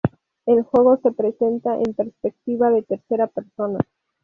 El juego se presenta en perspectiva de tercera persona.